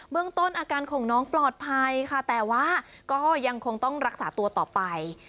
เรื่องต้นอาการของน้องปลอดภัยค่ะแต่ว่าก็ยังคงต้องรักษาตัวต่อไป